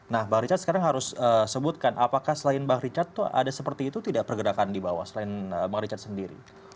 nah bang richard sekarang harus sebutkan apakah selain bang richard itu ada seperti itu tidak pergerakan di bawah selain bang richard sendiri